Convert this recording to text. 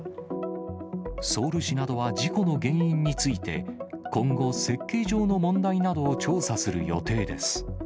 ソウル市などは事故の原因について、今後、設計上の問題などを調査する予定です。